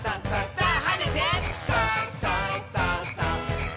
さあ！」